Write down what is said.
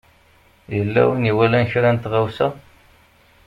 Yella win i iwalan kra n tɣawsa?